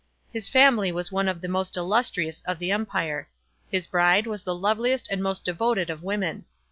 His family was one of the most illustrious of the empire. His bride was the loveliest and most devoted of women.